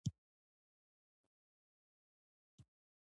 د کدو د مګس کنټرول څنګه دی؟